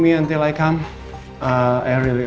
saya sangat menghargai